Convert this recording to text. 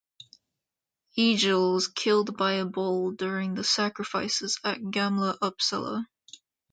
Egil was killed by a bull during the sacrifices at Gamla Uppsala.